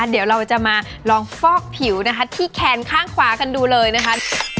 เดี๋ยวเราจะมาลองฟอกผิวนะคะที่แคนข้างขวากันดูเลยนะคะ